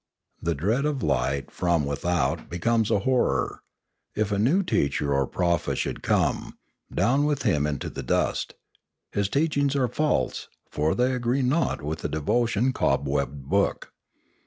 The dread of light from without becomes a horror. If a new teacher or prophet should come, down with him into the dust; his teachings are false, for they agree not with the devotion cobwebbed book.